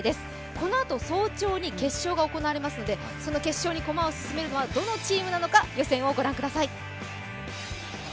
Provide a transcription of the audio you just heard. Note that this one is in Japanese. このあと早朝に決勝が行われますのでその決勝に駒を進めるのはどのチームなのか、予選をご覧ください。